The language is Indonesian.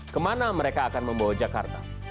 kemana mereka akan membawa jakarta